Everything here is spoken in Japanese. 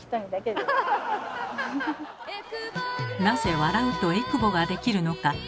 なぜ笑うとえくぼができるのか。